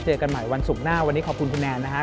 เจอกันใหม่วันศุกร์หน้าวันนี้ขอบคุณคุณแนนนะครับ